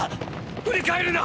振り返るな！！